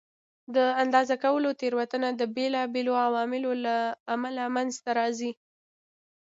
د اندازه کولو تېروتنه د بېلابېلو عواملو له امله منځته راځي.